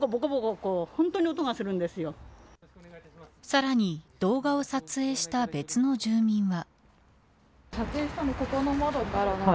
さらに動画を撮影した別の住民は。